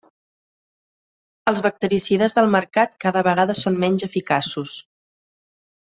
Els bactericides del mercat cada vegada són menys eficaços.